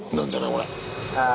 これ。